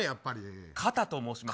名字がカタと申します。